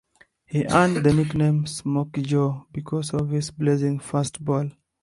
He earned the nickname "Smoky Joe" because of his blazing fastball.